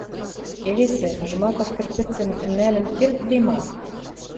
Келесӹ, Жмаков кӹрпӹцӹм нӓлӹн кердде ма?